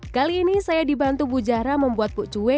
kali ini saya dibantu bujara membuat puk cue